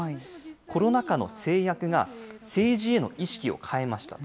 コロナ禍の制約が、政治への意識を変えました。